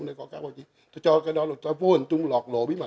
tôi cho cái đó là vô hình dung lọt lộ bí mật